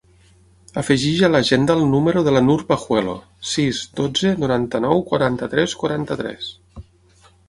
Afegeix a l'agenda el número de la Noor Pajuelo: sis, dotze, noranta-nou, quaranta-tres, quaranta-tres.